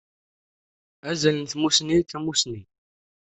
Azal n tmusni, tamusni!